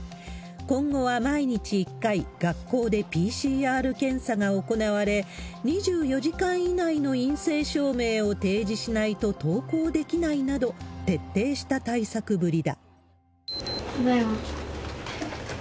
今後は毎日１回、学校でＰＣＲ検査が行われ、２４時間以内の陰性証明を提示しないと登校できないなど、徹底しただいま。